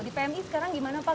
di pmi sekarang gimana pak